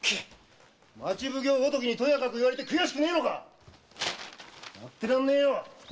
町奉行ごときにとやかく言われて悔しくないのか⁉やってらんねぇよ！